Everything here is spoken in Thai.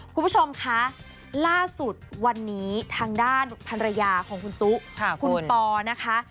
คุณผู้ชมคะล่าสุดวันนี้ทางด้านภรรยาของคุณตุ๊คุณปอนะคะ